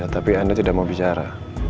tapi anda tidak mau bicara